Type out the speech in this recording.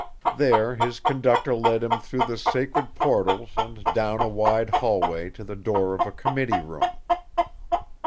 There his conductor led him through the sacred portals and down a wide hallway to the door of a committee room.